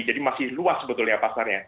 jadi masih luas sebetulnya pasarnya